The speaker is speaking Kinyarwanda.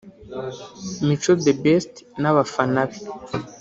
Mico The Best n’abafana be